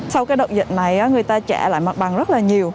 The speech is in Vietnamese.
sau đợt dịch này người ta trả lại mặt bằng rất là nhiều